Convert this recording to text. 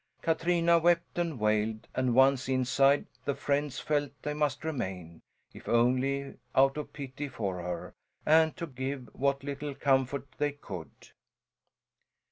Katrina wept and wailed, and once inside the friends felt they must remain, if only out of pity for her, and to give what little comfort they could.